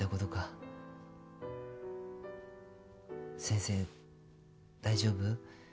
「先生大丈夫？」